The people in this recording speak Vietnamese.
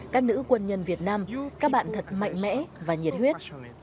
các nữ quân nhân việt nam các bạn thật mạnh mẽ và nhiệt huyết